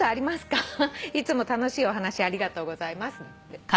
「いつも楽しいお話ありがとうございます」